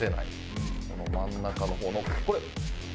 この真ん中の方のこれ！